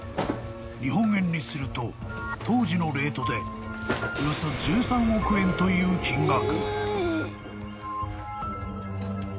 ［日本円にすると当時のレートでおよそ１３億円という金額］